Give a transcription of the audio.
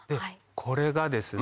これがですね